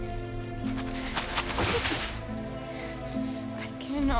歩けない。